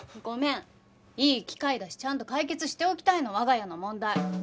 ごめんいい機会だしちゃんと解決しておきたいの我が家の問題。